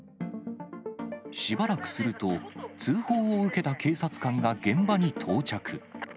しばらくすると、通報を受けた警察官が現場に到着。